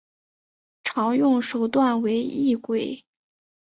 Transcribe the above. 常用手段为异轨。